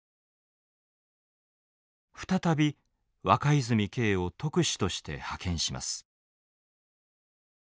再び若泉敬を特使として派遣します。